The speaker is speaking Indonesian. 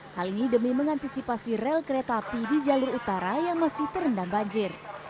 hal ini demi mengantisipasi rel kereta api di jalur utara yang masih terendam banjir